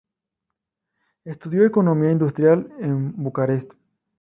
Estudió economía industrial en Bucarest.